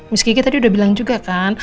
miss kiki tadi udah bilang juga kan